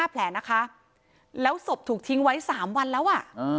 แผลนะคะแล้วศพถูกทิ้งไว้๓วันแล้วอ่ะ